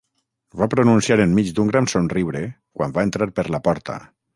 Va pronunciar enmig d'un gran somriure quan va entrar per la porta.